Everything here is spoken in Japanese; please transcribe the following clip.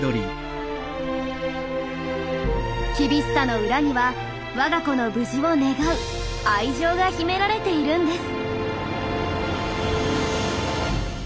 厳しさの裏には我が子の無事を願う愛情が秘められているんです。